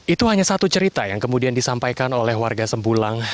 itu hanya satu cerita yang kemudian disampaikan oleh warga sembulang